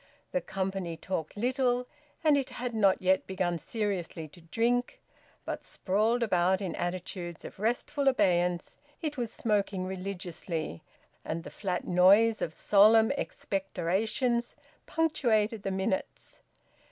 The company talked little, and it had not yet begun seriously to drink; but, sprawled about in attitudes of restful abeyance, it was smoking religiously, and the flat noise of solemn expectorations punctuated the minutes.